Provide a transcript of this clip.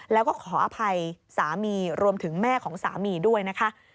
แล้วก็ขออภัยสามีรวมถึงแม่ของสามีด้วยนะคะ